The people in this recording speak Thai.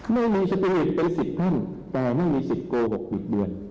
ไม่มีสติเป็นสิทธิ์ท่านแต่ไม่มีสิทธิ์โกหกบิดเบือน